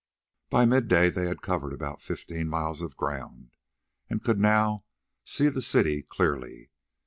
By midday they had covered about fifteen miles of ground, and could now see the city clearly.